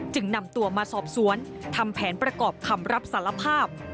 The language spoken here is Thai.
นำตัวมาสอบสวนทำแผนประกอบคำรับสารภาพ